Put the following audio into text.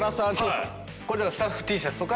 スタッフＴシャツとか。